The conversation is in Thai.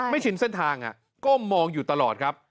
ชินเส้นทางก้มมองอยู่ตลอดครับ